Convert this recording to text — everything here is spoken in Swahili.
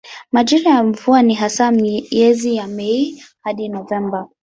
Majira ya mvua ni hasa miezi ya Mei hadi Novemba.